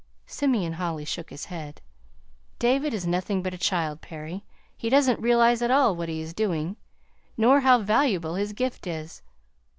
Simeon Holly shook his head. "David is nothing but a child, Perry. He doesn't realize at all what he is doing, nor how valuable his gift is."